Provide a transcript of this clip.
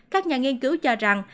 các nhà nghiên cứu cho rằng